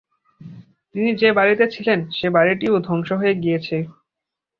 তিনি যে বাড়িতে ছিলেন সে বাড়িটিও ধ্বংস হয়ে গিয়েছে।